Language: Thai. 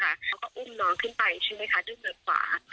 เขาก็อุ่นหนอขึ้นไปใช่ไหมคะด้วยเนวปลา